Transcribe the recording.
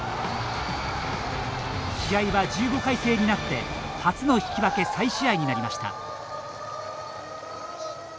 試合は１５回制になって初の引き分け再試合になりました。